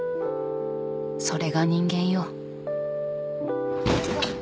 それが人間よ。